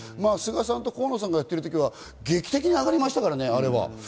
菅さんと河野さんがやっている時は劇的に上がりましたからね。